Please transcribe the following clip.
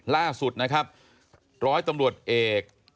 ล่าสุดนะครับร้อยตำรวจเอก